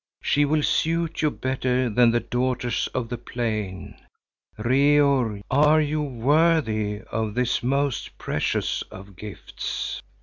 She will suit you better than the daughters of the plain. Reor, are you worthy of this most precious of gifts?"